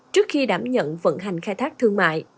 trước khi đảm nhận vận hành khai thác thương mại